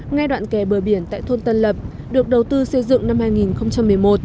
ngay đoạn kè bờ biển tại thôn tân lập được đầu tư xây dựng năm hai nghìn một mươi một